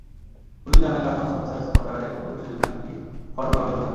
Police জানায়, customs officers কোয়ার্টারে প্রবেশের জন্য একটি ফটক ব্যবহৃত হয়।